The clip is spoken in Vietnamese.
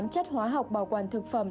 một mươi tám chất hóa học bảo quản thực phẩm